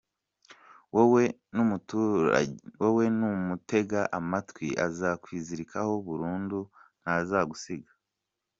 Wowe numutega amatwi azakwizirikaho burundu ntazagusiga.